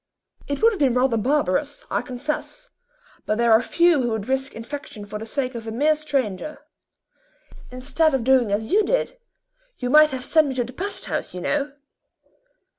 "It would have been rather barbarous, I confess, but there are few who would risk infection for the sake of a mere stranger. Instead of doing as you did, you might have sent me to the pest house, you know."